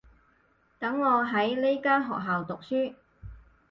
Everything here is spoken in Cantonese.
等我喺呢間學校讀書